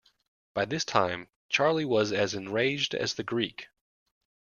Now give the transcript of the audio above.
By this time Charley was as enraged as the Greek.